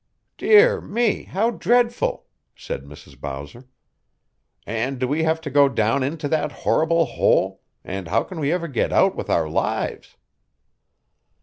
"Dear me, how dreadful!" said Mrs. Bowser. "And do we have to go down into that horrible hole, and how can we ever get out with our lives?"